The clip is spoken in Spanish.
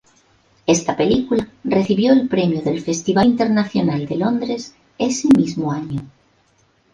Esta película recibió el premio del Festival Internacional de Londres ese mismo año.